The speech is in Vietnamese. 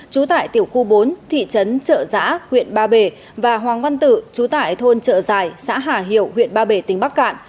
trú tại tiểu khu bốn thị trấn trợ giã huyện ba bể và hoàng văn tử trú tại thôn trợ giải xã hà hiệu huyện ba bể tỉnh bắc cạn